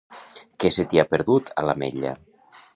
Què se t'hi ha perdut, a L'Atmetlla?